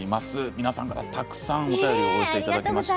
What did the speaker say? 皆さんから、たくさんお便りをお寄せいただきました。